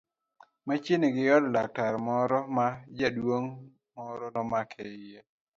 Machiegni gi od laktar moro ma jaduong' moro nomake iye.